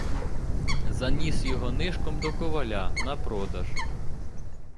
Заніс його нишком до коваля на продаж.